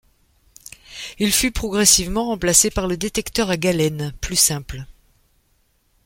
Il fut progressivement remplacé par le détecteur à galène, plus simple.